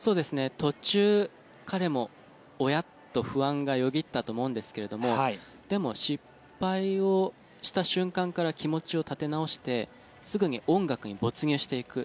途中、彼もおや？と不安がよぎったと思うんですがでも、失敗をした瞬間から気持ちを立て直してすぐに音楽に没入していく。